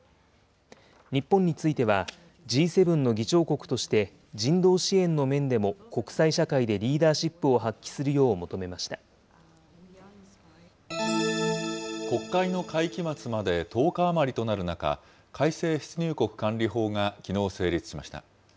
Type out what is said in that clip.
日本については、Ｇ７の議長国として人道支援の面でも国際社会でリーダーシップを発揮するよう求国会の会期末まで１０日余りとなる中、改正出入国管理法がきのう、成立しました。